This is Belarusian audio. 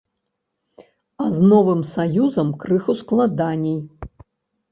А з новым саюзам крыху складаней.